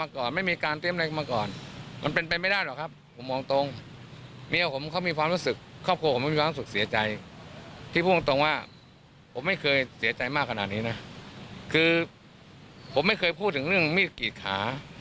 ก็ถึงเรื่องมีดกรีดขา